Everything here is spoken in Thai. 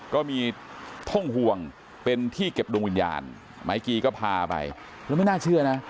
ก็มีท่งห่วงเป็นที่เก็บดวงวิญญาณไม้กีก็พาไปแล้วไม่น่าเชื่อนะ